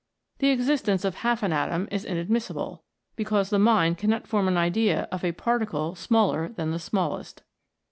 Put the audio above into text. The existence of half an atom is inadmissible, because the mind cannot form an idea of a particle smaller than the smallest.